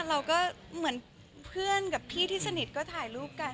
เราก็เหมือนเพื่อนกับพี่ที่สนิทก็ถ่ายรูปกัน